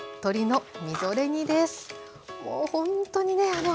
もうほんとにね